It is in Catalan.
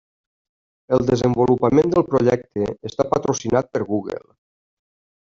El desenvolupament del projecte està patrocinat per Google.